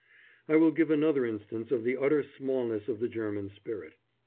I will give another instance of the utter smallness of the German spirit.